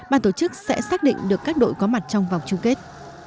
ban tổ chức sẽ xác định được các đội có mặt trong vòng chung kết